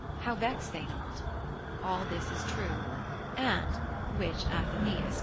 How vex they not? All this is true, and (which Athaeneus lib.